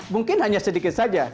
mungkin hanya sedikit saja